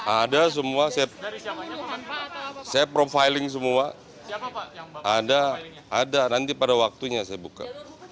ada semua saya profiling semua ada nanti pada waktunya saya buka